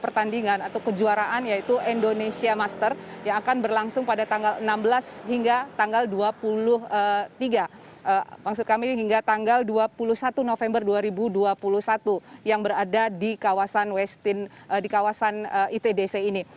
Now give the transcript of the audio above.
pertandingan atau kejuaraan yaitu indonesia master yang akan berlangsung pada tanggal enam belas hingga tanggal dua puluh tiga maksud kami hingga tanggal dua puluh satu november dua ribu dua puluh satu yang berada di kawasan itdc ini